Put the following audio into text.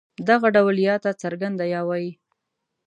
دغه ډول ي ته څرګنده يې وايي.